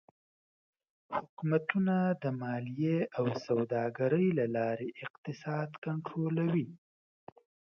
حکومتونه د مالیې او سوداګرۍ له لارې اقتصاد کنټرولوي.